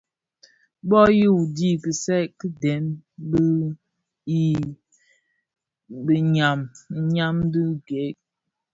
Bô yu dhi kisai ki dèn i biňyam ňyam dhi gëëk.